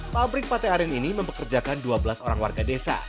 pabrik pate aren ini mempekerjakan dua belas orang warga desa